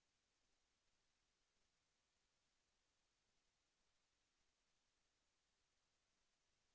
สวัสดีครับ